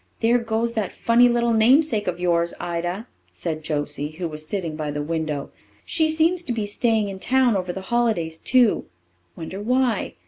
"There goes that funny little namesake of yours, Ida," said Josie, who was sitting by the window. "She seems to be staying in town over the holidays too. Wonder why.